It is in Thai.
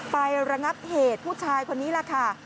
ระงับเหตุผู้ชายคนนี้แหละค่ะ